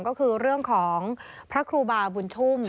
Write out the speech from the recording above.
ก็คือเรื่องของพระครูบาบุญชุ่ม